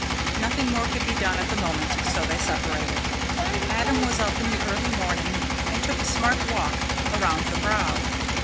Nothing more could be done at the moment, so they separated. Adam was up in the early morning and took a smart walk round the Brow.